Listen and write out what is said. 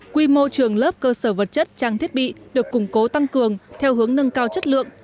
quy mô trường lớp cơ sở vật chất trang thiết bị được củng cố tăng cường theo hướng nâng cao chất lượng